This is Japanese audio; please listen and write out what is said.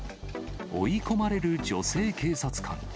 追い込まれる女性警察官。